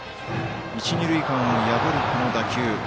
一、二塁間を破るこの打球。